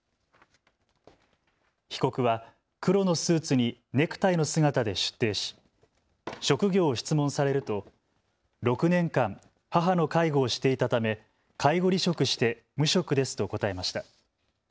被告は黒のスーツにネクタイの姿で出廷し職業を質問されると６年間、母の介護をしていたため介護離職して無職ですと答えました。